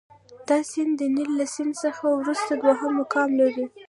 دا سیند د نیل له سیند څخه وروسته دوهم مقام لري.